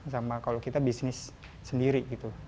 sama kalau kita bisnis sendiri gitu